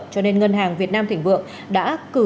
cho nên ngân hàng việt nam thịnh vượng đã cử